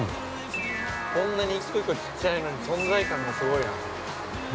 こんなに一個一個ちっちゃいのに存在感がすごいな。